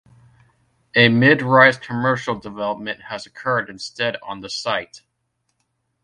A mid-rise commercial development has occurred instead on the site.